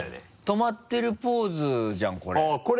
止まってるポーズじゃんこれ。